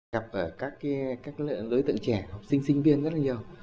gặp các lưỡi tượng trẻ học sinh sinh viên rất là nhiều